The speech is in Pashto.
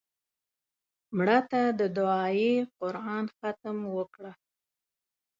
مړه ته د دعایي قرآن ختم وکړه